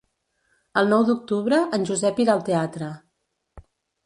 El nou d'octubre en Josep irà al teatre.